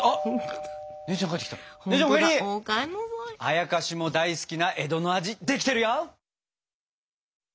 あやかしも大好きな江戸の味できてるよ。